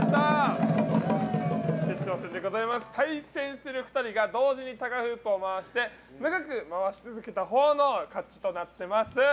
対戦する２人が同時にタガフープを回して長く回し続けたほうの勝ちとなってます。